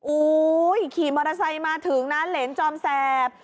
ขี่มอเตอร์ไซค์มาถึงนะเหรนจอมแสบ